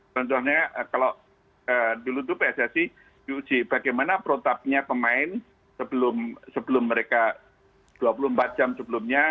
contohnya kalau dulu itu pssi diuji bagaimana protapnya pemain sebelum mereka dua puluh empat jam sebelumnya